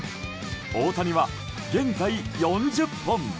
大谷は現在４０本。